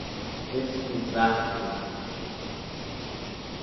escusar-se